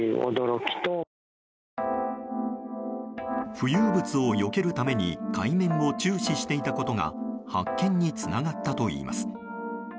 浮遊物をよけるために海面を注視していたことが発見につながったといいます。